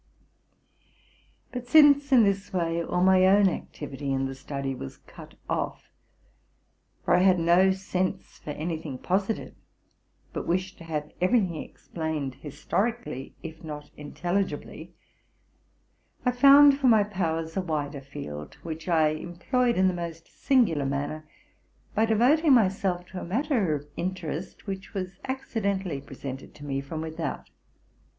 But since in this way all my own activity in the study was cut off, — for I had no sense for any thing positive, but wished to have every thing explained historically, if not intelligibly, —TI found for my powers a wider field, which I employed in the most singular manner by devoting myself to a matter of interest which was accidentally presented to me from without.